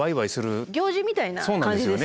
行事みたいな感じですよね。